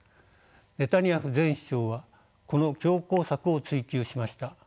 ネタニヤフ前首相はこの強硬策を追求しました。